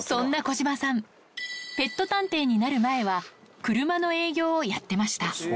そんな小島さん、ペット探偵になる前は、車の営業をやってました。